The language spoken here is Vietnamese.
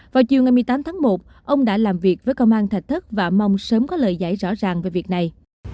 vào chiều ngày một mươi tám tháng một ông đã làm việc với công an thạch thất và mong sớm có lời giải rõ ràng về việc này